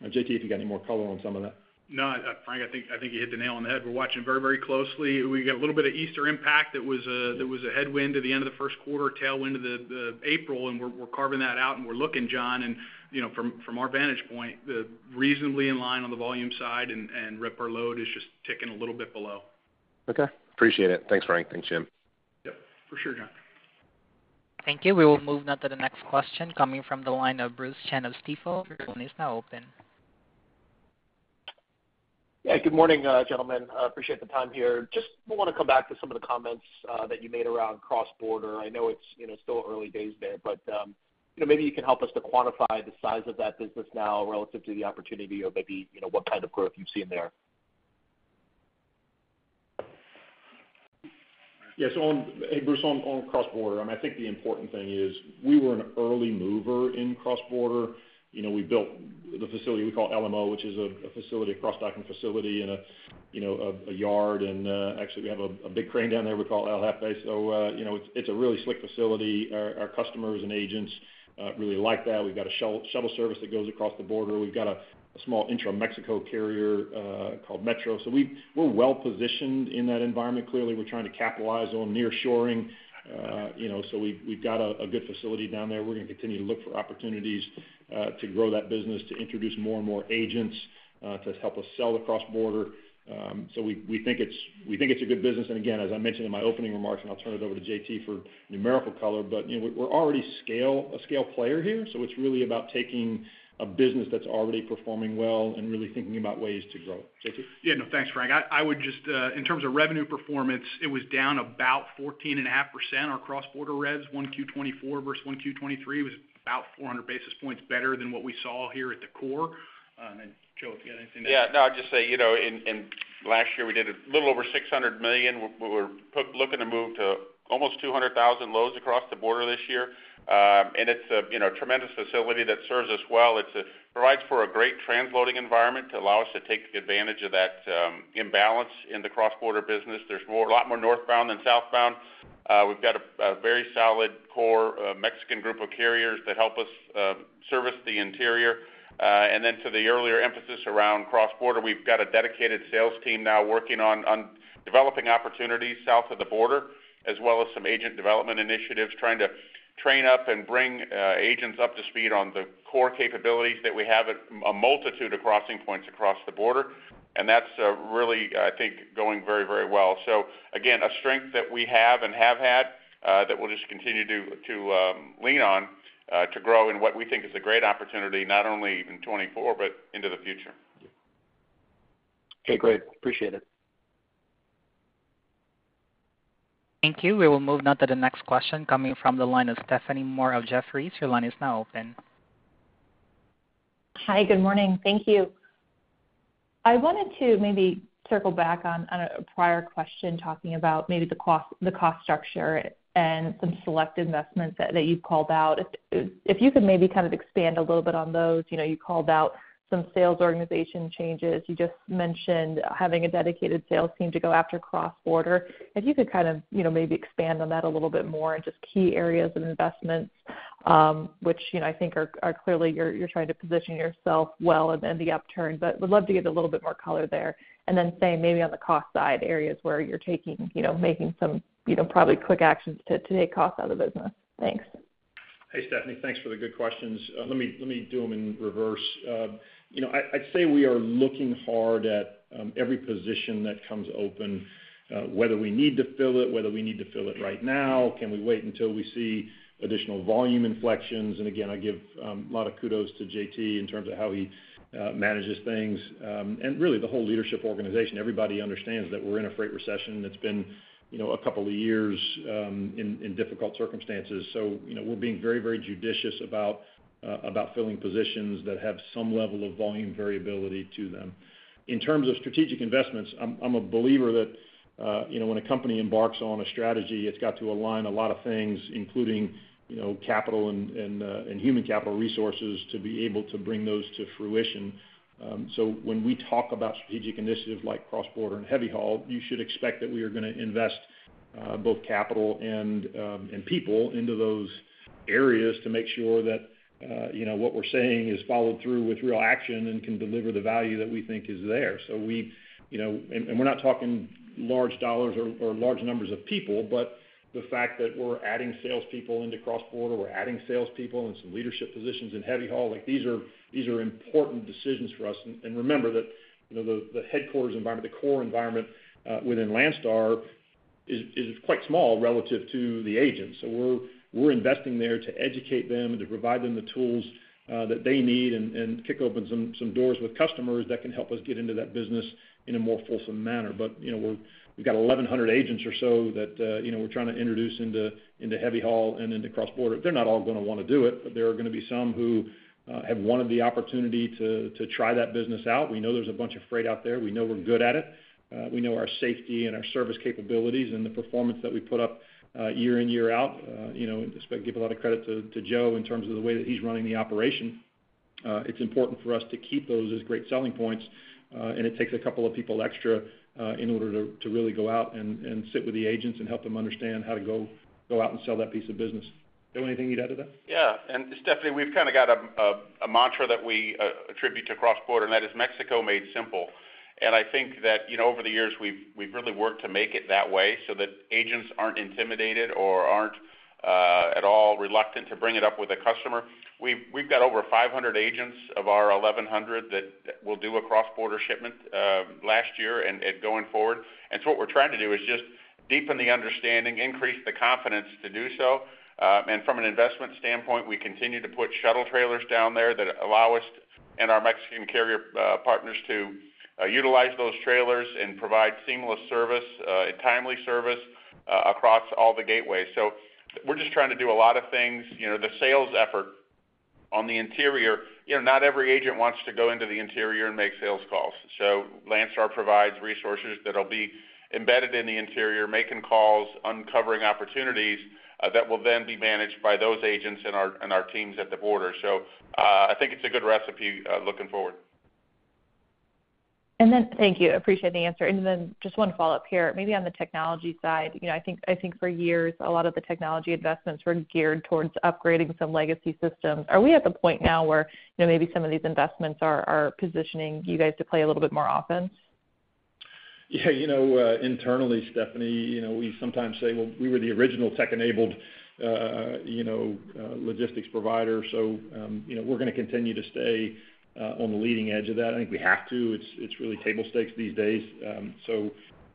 JT, if you got any more color on some of that. No, Frank, I think you hit the nail on the head. We're watching very, very closely. We got a little bit of Easter impact that was a headwind at the end of the first quarter, tailwind to the April, and we're carving that out and we're looking, John. And, you know, from our vantage point, they're reasonably in line on the volume side and revenue per load is just ticking a little bit below. Okay, appreciate it. Thanks, Frank. Thanks, Jim. Yep. For sure, John. Thank you. We will move now to the next question coming from the line of Bruce Chan of Stifel. Your line is now open. Yeah, good morning, gentlemen. I appreciate the time here. Just wanna come back to some of the comments that you made around cross-border. I know it's, you know, still early days there, but, you know, maybe you can help us to quantify the size of that business now relative to the opportunity or maybe, you know, what kind of growth you've seen there. Yes. Hey, Bruce, on cross-border, I think the important thing is we were an early mover in cross-border. You know, we built the facility we call LMO, which is a facility, a cross-docking facility and, you know, a yard. And, actually, we have a big crane down there we call El Jefe. So, you know, it's a really slick facility. Our customers and agents really like that. We've got a shuttle service that goes across the border. We've got a small intra-Mexico carrier called Metro. So we're well positioned in that environment. Clearly, we're trying to capitalize on nearshoring. You know, so we've got a good facility down there. We're gonna continue to look for opportunities to grow that business, to introduce more and more agents to help us sell across border. So we, we think it's, we think it's a good business. And again, as I mentioned in my opening remarks, and I'll turn it over to JT for numerical color, but you know, we're already a scale player here, so it's really about taking a business that's already performing well and really thinking about ways to grow it. JT? Yeah. No, thanks, Frank. I, I would just, in terms of revenue performance, it was down about 14.5%. Our cross-border revs, 1Q 2024 versus 1Q 2023, was about 400 basis points better than what we saw here at the core. And then-... Joe, if you got anything to add? Yeah, no, I'd just say, you know, in last year, we did a little over $600 million. We're looking to move to almost 200,000 loads across the border this year. And it's a, you know, tremendous facility that serves us well. It provides for a great transloading environment to allow us to take advantage of that imbalance in the cross-border business. There's a lot more northbound than southbound. We've got a very solid core Mexican group of carriers that help us service the interior. and then to the earlier emphasis around cross-border, we've got a dedicated sales team now working on, on developing opportunities south of the border, as well as some agent development initiatives, trying to train up and bring agents up to speed on the core capabilities that we have at a multitude of crossing points across the border. And that's really, I think, going very, very well. So again, a strength that we have and have had that we'll just continue to, to lean on to grow in what we think is a great opportunity, not only in 2024, but into the future. Yeah. Okay, great. Appreciate it. Thank you. We will move now to the next question, coming from the line of Stephanie Moore of Jefferies. Your line is now open. Hi, good morning. Thank you. I wanted to maybe circle back on a prior question, talking about maybe the cost structure and some select investments that you've called out. If you could maybe kind of expand a little bit on those. You know, you called out some sales organization changes. You just mentioned having a dedicated sales team to go after cross-border. If you could kind of, you know, maybe expand on that a little bit more, and just key areas of investments, which, you know, I think are clearly you're trying to position yourself well within the upturn. But would love to get a little bit more color there. And then same, maybe on the cost side, areas where you're taking, you know, making some, you know, probably quick actions to take costs out of the business. Thanks. Hey, Stephanie, thanks for the good questions. Let me, let me do them in reverse. You know, I'd, I'd say we are looking hard at every position that comes open, whether we need to fill it, whether we need to fill it right now, can we wait until we see additional volume inflections? And again, I give a lot of kudos to JT in terms of how he manages things, and really, the whole leadership organization. Everybody understands that we're in a freight recession that's been, you know, a couple of years, in difficult circumstances. So, you know, we're being very, very judicious about filling positions that have some level of volume variability to them. In terms of strategic investments, I'm a believer that, you know, when a company embarks on a strategy, it's got to align a lot of things, including, you know, capital and human capital resources, to be able to bring those to fruition. So when we talk about strategic initiatives like cross-border and heavy haul, you should expect that we are going to invest, both capital and people into those areas to make sure that, you know, what we're saying is followed through with real action and can deliver the value that we think is there. So we, you know, and we're not talking large dollars or large numbers of people, but the fact that we're adding salespeople into cross-border, we're adding salespeople and some leadership positions in heavy haul, like, these are important decisions for us. Remember that, you know, the headquarters environment, the core environment within Landstar is quite small relative to the agents. So we're investing there to educate them and to provide them the tools that they need and kick open some doors with customers that can help us get into that business in a more fulsome manner. But, you know, we've got 1,100 agents or so that, you know, we're trying to introduce into heavy haul and into cross-border. They're not all going to want to do it, but there are going to be some who have wanted the opportunity to try that business out. We know there's a bunch of freight out there. We know we're good at it. We know our safety and our service capabilities and the performance that we put up, year in, year out. You know, give a lot of credit to Joe in terms of the way that he's running the operation. It's important for us to keep those as great selling points, and it takes a couple of people extra, in order to really go out and sit with the agents and help them understand how to go out and sell that piece of business. Joe, anything you'd add to that? Yeah, and Stephanie, we've kind of got a mantra that we attribute to cross-border, and that is Mexico Made Simple. And I think that, you know, over the years, we've really worked to make it that way, so that agents aren't intimidated or aren't at all reluctant to bring it up with a customer. We've got over 500 agents of our 1,100 that will do a cross-border shipment, last year and going forward. And so what we're trying to do is just deepen the understanding, increase the confidence to do so. And from an investment standpoint, we continue to put shuttle trailers down there that allow us and our Mexican carrier partners to utilize those trailers and provide seamless service and timely service across all the gateways. So we're just trying to do a lot of things. You know, the sales effort on the interior, you know, not every agent wants to go into the interior and make sales calls. So Landstar provides resources that'll be embedded in the interior, making calls, uncovering opportunities, that will then be managed by those agents and our, and our teams at the border. So, I think it's a good recipe, looking forward. And then... Thank you. Appreciate the answer. And then just one follow-up here, maybe on the technology side. You know, I think, I think for years, a lot of the technology investments were geared towards upgrading some legacy systems. Are we at the point now where, you know, maybe some of these investments are, are positioning you guys to play a little bit more offense? Yeah, you know, internally, Stephanie, you know, we sometimes say, well, we were the original tech-enabled, you know, logistics provider. So, you know, we're going to continue to stay on the leading edge of that. I think we have to. It's really table stakes these days. So,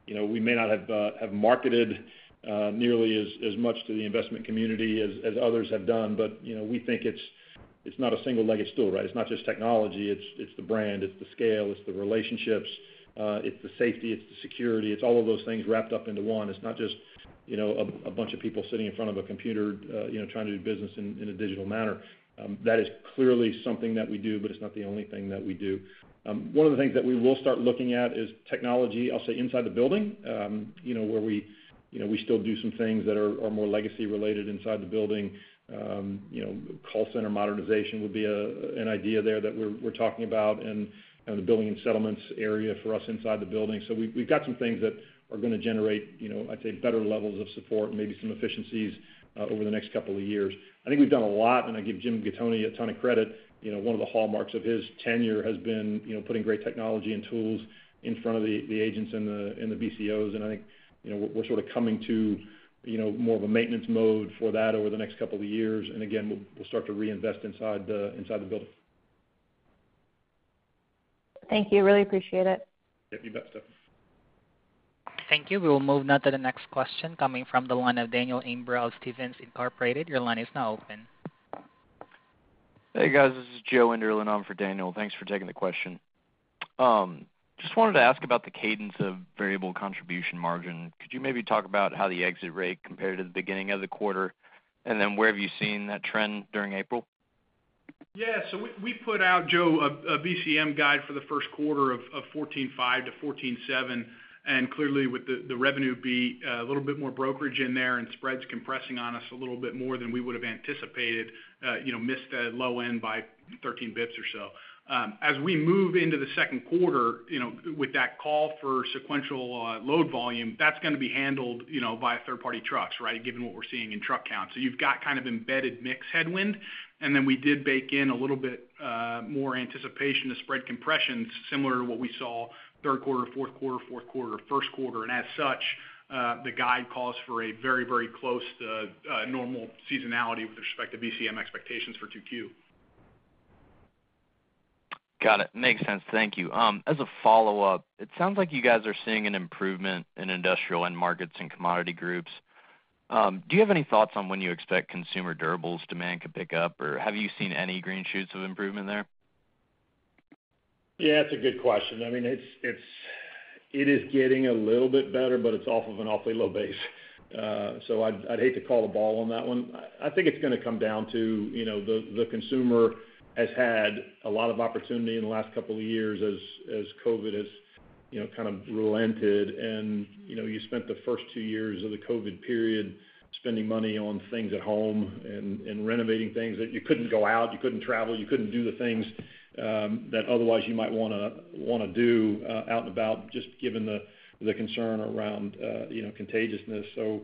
you know, we may not have marketed nearly as much to the investment community as others have done, but, you know, we think it's not a single-legged stool, right? It's not just technology, it's the brand, it's the scale, it's the relationships, it's the safety, it's the security, it's all of those things wrapped up into one. It's not just, you know, a bunch of people sitting in front of a computer, you know, trying to do business in a digital manner. That is clearly something that we do, but it's not the only thing that we do. One of the things that we will start looking at is technology, I'll say, inside the building, you know, where we, you know, still do some things that are more legacy related inside the building. You know, call center modernization would be an idea there that we're talking about, and, you know, the building and settlements area for us inside the building. So we've got some things that are going to generate, you know, I'd say, better levels of support and maybe some efficiencies over the next couple of years. I think we've done a lot, and I give Jim Gattoni a ton of credit. You know, one of the hallmarks of his tenure has been, you know, putting great technology and tools in front of the agents and the BCOs. And I think, you know, we're sort of coming to, you know, more of a maintenance mode for that over the next couple of years. And again, we'll start to reinvest inside the building. Thank you. Really appreciate it. Yep, you bet, Stephanie. Thank you. We will move now to the next question coming from the line of Daniel Imbro of Stephens Incorporated. Your line is now open. Hey, guys, this is Joe Enderlin in for Daniel. Thanks for taking the question. Just wanted to ask about the cadence of variable contribution margin. Could you maybe talk about how the exit rate compared to the beginning of the quarter, and then where have you seen that trend during April? Yeah. So we put out, Joe, a VCM guide for the first quarter of 14.5%-14.7%, and clearly, with the revenue beat, a little bit more brokerage in there and spreads compressing on us a little bit more than we would have anticipated, you know, missed that low end by 13 basis points or so. As we move into the second quarter, you know, with that call for sequential load volume, that's going to be handled, you know, by third-party trucks, right? Given what we're seeing in truck count. So you've got kind of embedded mix headwind, and then we did bake in a little bit more anticipation of spread compression, similar to what we saw third quarter, fourth quarter, first quarter. As such, the guide calls for a very, very close to normal seasonality with respect to VCM expectations for 2Q. Got it. Makes sense. Thank you. As a follow-up, it sounds like you guys are seeing an improvement in industrial end markets and commodity groups. Do you have any thoughts on when you expect consumer durables demand could pick up, or have you seen any green shoots of improvement there? Yeah, it's a good question. I mean, it's. It is getting a little bit better, but it's off of an awfully low base. So I'd hate to call a ball on that one. I think it's going to come down to, you know, the consumer has had a lot of opportunity in the last couple of years as COVID has, you know, kind of relented. And, you know, you spent the first two years of the COVID period spending money on things at home and renovating things, that you couldn't go out, you couldn't travel, you couldn't do the things that otherwise you might want to do, out and about, just given the concern around, you know, contagiousness. So,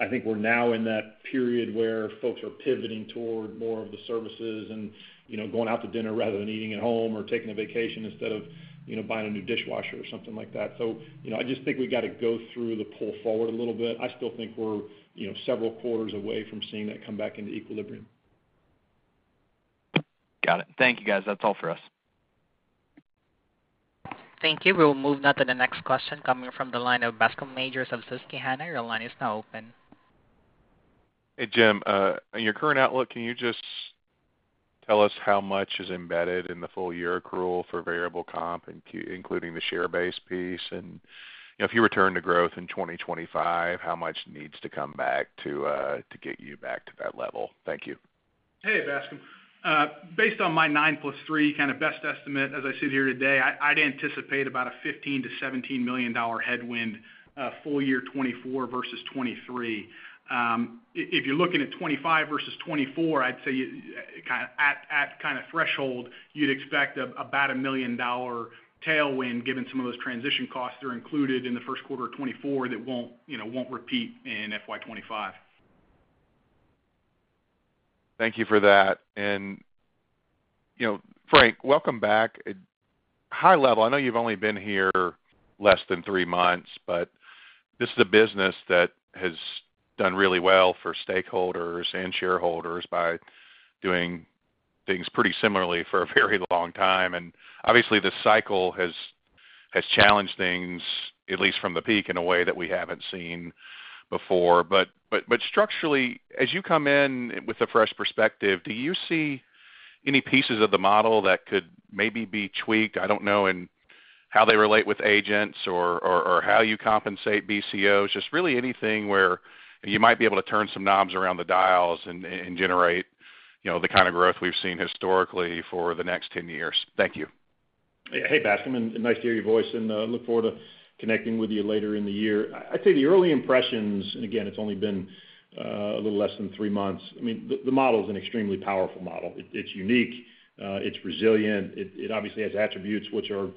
I think we're now in that period where folks are pivoting toward more of the services and, you know, going out to dinner rather than eating at home, or taking a vacation instead of, you know, buying a new dishwasher or something like that. So, you know, I just think we got to go through the pull forward a little bit. I still think we're, you know, several quarters away from seeing that come back into equilibrium. Got it. Thank you, guys. That's all for us. Thank you. We will move now to the next question coming from the line of Bascom Majors of Susquehanna. Your line is now open. Hey, Jim. In your current outlook, can you just tell us how much is embedded in the full year accrual for variable comp, including the share-based piece? And, you know, if you return to growth in 2025, how much needs to come back to, uh, to get you back to that level? Thank you. Hey, Bascom. Based on my nine plus three kind of best estimate, as I sit here today, I, I'd anticipate about a $15-$17 million headwind, full year 2024 versus 2023. If you're looking at 2025 versus 2024, I'd say, kind of at, at kind of threshold, you'd expect about a $1 million tailwind, given some of those transition costs are included in the first quarter of 2024 that won't, you know, won't repeat in FY 2025. Thank you for that. You know, Frank, welcome back. At high level, I know you've only been here less than three months, but this is a business that has done really well for stakeholders and shareholders by doing things pretty similarly for a very long time. And obviously, the cycle has challenged things, at least from the peak, in a way that we haven't seen before. But structurally, as you come in with a fresh perspective, do you see any pieces of the model that could maybe be tweaked, I don't know, in how they relate with agents or how you compensate BCOs? Just really anything where you might be able to turn some knobs around the dials and generate, you know, the kind of growth we've seen historically for the next 10 years. Thank you. Hey, Bascom, and nice to hear your voice, and look forward to connecting with you later in the year. I'd say the early impressions, and again, it's only been a little less than three months. I mean, the model is an extremely powerful model. It's unique, it's resilient. It obviously has attributes which are,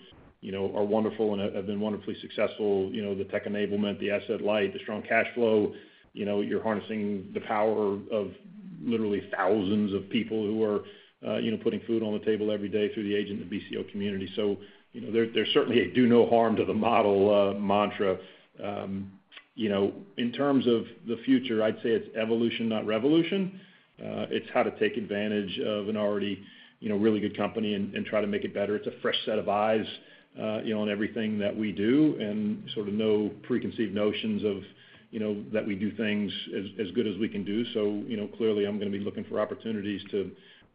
you know, are wonderful and have been wonderfully successful. You know, the tech enablement, the asset light, the strong cash flow. You know, you're harnessing the power of literally thousands of people who are, you know, putting food on the table every day through the agent and BCO community. So, you know, there's certainly a do-no-harm to the model mantra. You know, in terms of the future, I'd say it's evolution, not revolution. It's how to take advantage of an already, you know, really good company and, and try to make it better. It's a fresh set of eyes, you know, on everything that we do, and sort of no preconceived notions of, you know, that we do things as, as good as we can do. So, you know, clearly, I'm going to be looking for opportunities to,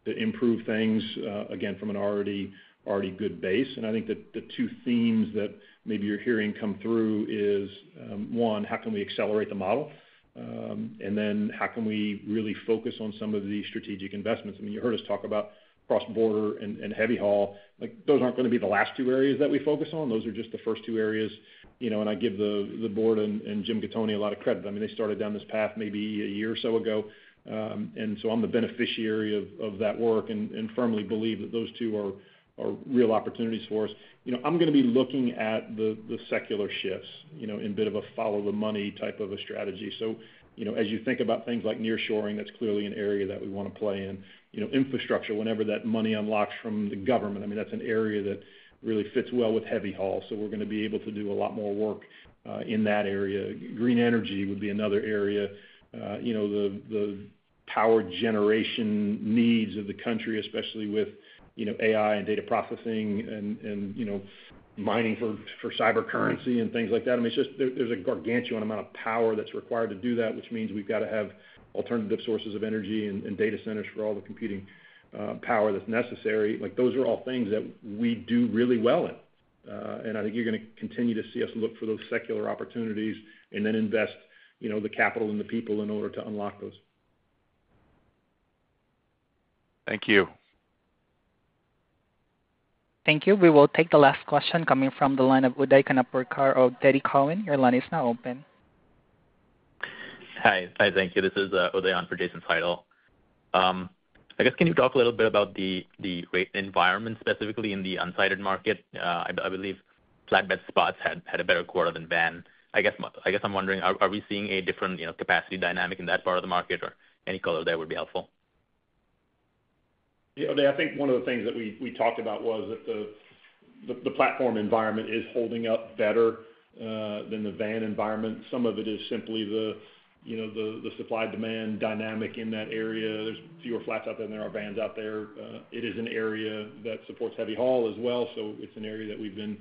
to improve things, again, from an already, already good base. And I think that the two themes that maybe you're hearing come through is, one, how can we accelerate the model? And then how can we really focus on some of the strategic investments? I mean, you heard us talk about cross-border and, and heavy haul. Like, those aren't going to be the last two areas that we focus on. Those are just the first two areas, you know, and I give the board and Jim Gattoni a lot of credit. I mean, they started down this path maybe a year or so ago. And so I'm the beneficiary of that work and firmly believe that those two are real opportunities for us. You know, I'm going to be looking at the secular shifts, you know, in a bit of a follow the money type of a strategy. So, you know, as you think about things like nearshoring, that's clearly an area that we want to play in. You know, infrastructure, whenever that money unlocks from the government, I mean, that's an area that really fits well with heavy haul, so we're going to be able to do a lot more work in that area. Green energy would be another area. You know, the power generation needs of the country, especially with, you know, AI and data processing and you know, mining for cyber currency and things like that. I mean, it's just there, there's a gargantuan amount of power that's required to do that, which means we've got to have alternative sources of energy and data centers for all the computing power that's necessary. Like, those are all things that we do really well in. And I think you're going to continue to see us look for those secular opportunities and then invest, you know, the capital and the people in order to unlock those. Thank you. Thank you. We will take the last question coming from the line of Uday Khanapurkar of TD Cowen. Your line is now open. Hi. Hi, thank you. This is Uday on for Jason Seidl. I guess, can you talk a little bit about the rate environment, specifically in the unsided market? I believe flatbed spots had a better quarter than van. I guess I'm wondering, are we seeing a different, you know, capacity dynamic in that part of the market, or any color there would be helpful? Yeah, Uday, I think one of the things that we talked about was that the platform environment is holding up better than the van environment. Some of it is simply the, you know, the supply-demand dynamic in that area. There's fewer flats out there than there are vans out there. It is an area that supports heavy haul as well, so it's an area that we've been,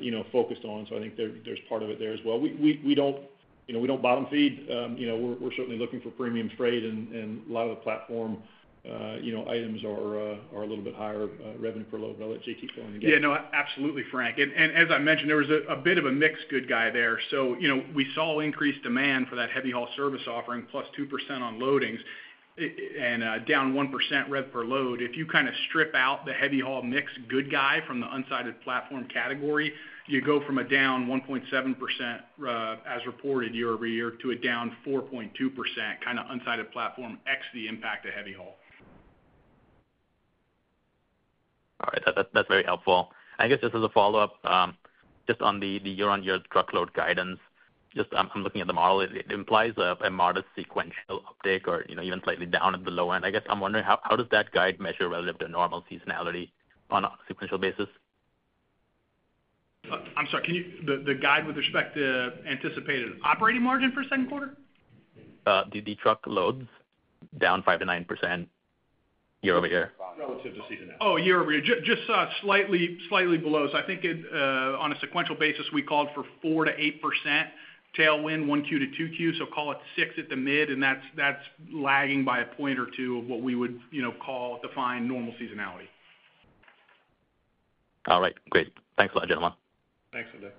you know, focused on. So I think there's part of it there as well. We don't, you know, we don't bottom feed. You know, we're certainly looking for premium freight and a lot of the platform, you know, items are a little bit higher revenue per load. But I'll let JT fill in again. Yeah, no, absolutely, Frank. And as I mentioned, there was a bit of a mix good guy there. So, you know, we saw increased demand for that heavy haul service offering, +2% on loadings, and down 1% rev per load. If you kind of strip out the heavy haul mix good guy from the unsided platform category, you go from a down 1.7%, as reported year-over-year, to a down 4.2%, kind of unsided platform ex the impact of heavy haul. All right. That's very helpful. I guess just as a follow-up, just on the year-on-year truckload guidance, just I'm looking at the model. It implies a modest sequential uptake or, you know, even slightly down at the low end. I guess I'm wondering, how does that guide measure relative to normal seasonality on a sequential basis? I'm sorry, can you... The guide with respect to anticipated operating margin for second quarter? The truckloads down 5%-9% year-over-year. Relative to seasonality. Oh, year over year. Just slightly, slightly below. So I think it on a sequential basis, we called for 4%-8% tailwind, 1Q to 2Q, so call it 6 at the mid, and that's lagging by a point or two of what we would, you know, call defined normal seasonality. All right, great. Thanks a lot, gentlemen. Thanks, Uday.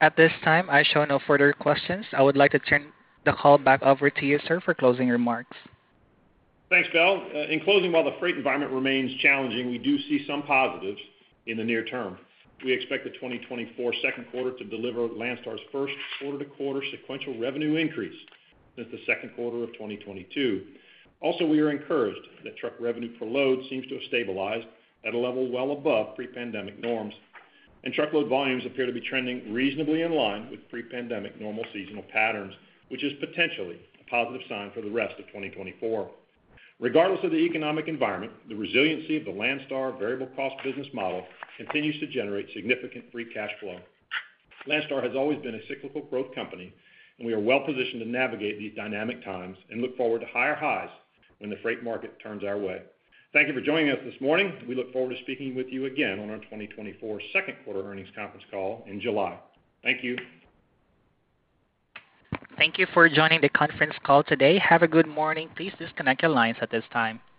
At this time, I show no further questions. I would like to turn the call back over to you, sir, for closing remarks. Thanks, Belle. In closing, while the freight environment remains challenging, we do see some positives in the near term. We expect the 2024 second quarter to deliver Landstar's first quarter-to-quarter sequential revenue increase since the second quarter of 2022. Also, we are encouraged that truck revenue per load seems to have stabilized at a level well above pre-pandemic norms, and truckload volumes appear to be trending reasonably in line with pre-pandemic normal seasonal patterns, which is potentially a positive sign for the rest of 2024. Regardless of the economic environment, the resiliency of the Landstar variable cost business model continues to generate significant free cash flow. Landstar has always been a cyclical growth company, and we are well positioned to navigate these dynamic times and look forward to higher highs when the freight market turns our way. Thank you for joining us this morning. We look forward to speaking with you again on our 2024 second quarter earnings conference call in July. Thank you. Thank you for joining the conference call today. Have a good morning. Please disconnect your lines at this time.